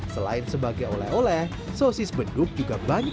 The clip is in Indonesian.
selain sebagai oleh oleh sosis beduk juga banyak